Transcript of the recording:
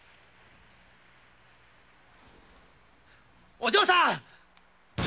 ・お嬢さん！